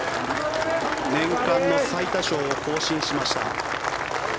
年間の最多勝を更新しました。